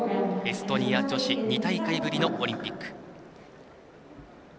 エストニア女子２大会ぶりのオリンピック。